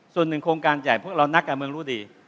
ส่วนหนึ่งโครงการใหญ่พวกเรานักการเมืองรู้ดี